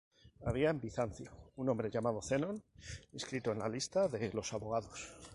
Había en Bizancio un hombre llamado Zenon, inscrito en la lista de los abogados.